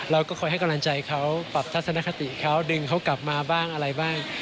เราก็คอยให้กำลังใจเขาปรับทัศนคติเขาดึงเขากลับมาบ้างอะไรบ้าง